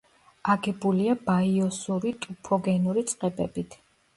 აგებულია ბაიოსური ტუფოგენური წყებებით.